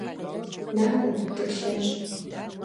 НакӀуэ, дыплъэнщ.